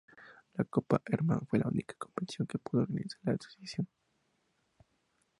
La Copa Hermandad fue la única competición que pudo organizar la asociación.